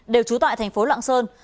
đều trú tại thành phố lạng sơn